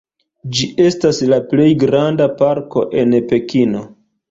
Ĝi estas la plej granda parko en Pekino.